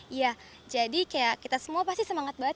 iya jadi kayak kita semua pasti semangat banget